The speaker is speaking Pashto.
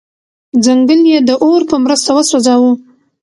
ځنګل یې د اور په مرسته وسوځاوه.